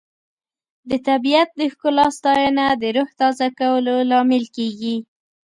د طبیعت د ښکلا ستاینه د روح تازه کولو لامل کیږي.